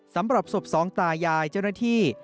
สำหรับศพสองตายายเจ้าหน้าที่